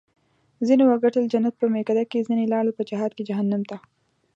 ځینو وګټل جنت په میکده کې ځیني لاړل په جهاد کې جهنم ته